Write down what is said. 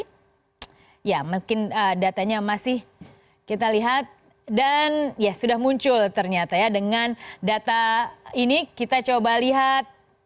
jadi ya mungkin datanya masih kita lihat dan ya sudah muncul ternyata ya dengan data ini kita coba lihat